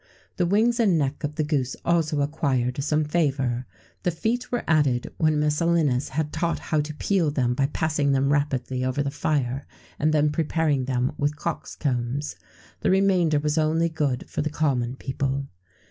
[XVII 73] The wings and neck of the goose also acquired some favour; the feet were added, when Messalinus had taught how to peel them by passing them rapidly over the fire, and then preparing them with cocks' combs. The remainder was only good for the common people.